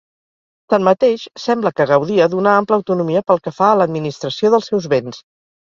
Tanmateix, sembla que gaudia d'una ampla autonomia pel que fa a l'administració dels seus béns.